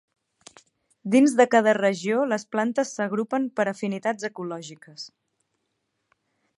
Dins de cada regió les plantes s'agrupen per afinitats ecològiques.